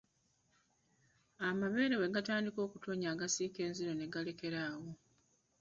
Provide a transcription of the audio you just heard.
Amabeere bwe gatandika okutonnya agasiiga enziro ne galekera awo.